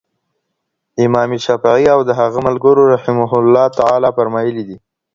امام الشافعي او د هغه ملګرو رحمهم الله تعالی فرمايلي دي.